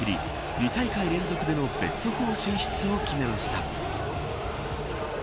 ２大会連続でのベスト４進出を決めました。